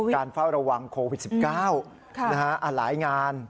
เฝ้าระวังโควิด๑๙หลายงาน